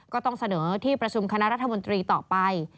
ก็ต้องเสนอที่ประชุมคณะรัฐมนตรีต่อไป